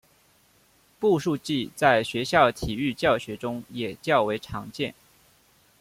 步数计在学校体育教学中也较为常见。